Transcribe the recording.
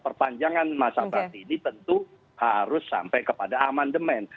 perpanjangan masa berarti ini tentu harus sampai kepada amandemen